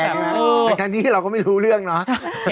ในทักทีเราก็ไม่รู้เรื่องเนาะ